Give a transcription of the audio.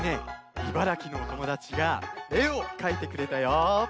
茨城のおともだちがえをかいてくれたよ。